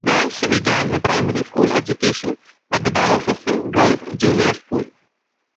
There, she began her primary school education, at the Diocesan Girls' Junior School.